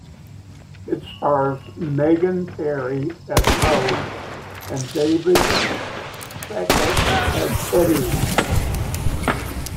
It stars Megahn Perry as Rose and David Fickas as Eddie.